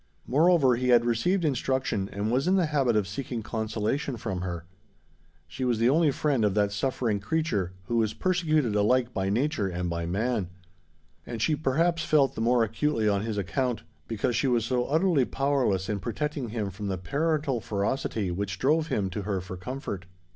Moreover, he had received instruction and was in the habit of seeking consolation from her: she was the only friend of that suffering creature who was persecuted alike by nature and by man; and she perhaps felt the more acutely on his account, because she was so utterly powerless in protecting him from the parental ferocity which drove him to her for comfort.